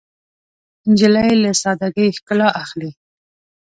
نجلۍ له سادګۍ ښکلا اخلي.